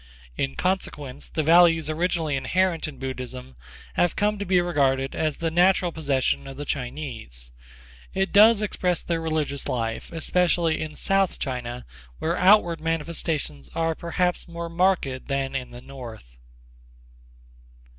In consequence the values originally inherent in Buddhism have come to be regarded as the natural possession of the Chinese. It does express their religious life, especially in South China, where outward manifestations of religion are perhaps more marked than in the north.